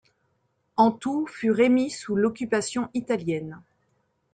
En tout, furent émis sous l'occupation italienne.